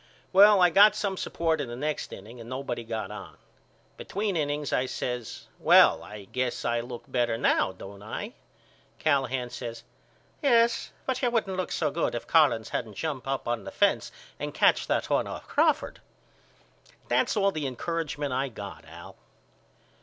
Well I got some support in the next inning and nobody got on. Between innings I says Well I guess I look better now don't I? Callahan says Yes but you wouldn't look so good if Collins hadn't jumped up on the fence and catched that one off Crawford. That's all the encouragement I got Al.